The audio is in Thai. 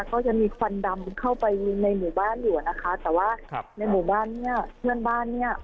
ก็ยังมีควันดำเข้าไปในหมู่บ้านอยู่อะนะคะแต่ว่าในหมู่บ้านเนี่ยเพื่อนบ้านเนี่ย